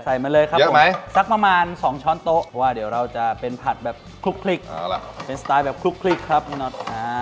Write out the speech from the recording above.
มาเลยครับผมสักประมาณ๒ช้อนโต๊ะเพราะว่าเดี๋ยวเราจะเป็นผัดแบบคลุกเป็นสไตล์แบบคลุกครับพี่น็อต